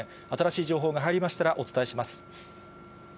新しい情報が入りましたらお伝えします。